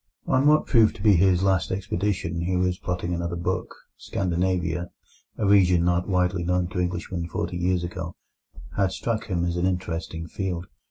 On what proved to be his last expedition, he was plotting another book. Scandinavia, a region not widely known to Englishmen forty years ago, had struck him as an interesting field.